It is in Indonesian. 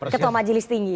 ketua majelis tinggi